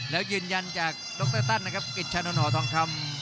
แล้วยืนยันจากดรตันนะครับกิจชานนทหอทองคำ